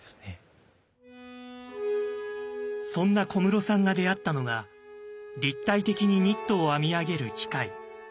そんな小室さんが出会ったのが立体的にニットを編みあげる機械。